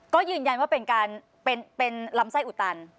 ก็ยืนยันว่าเป็นการเป็นลำไส้อุตัน